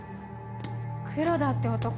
黒田って男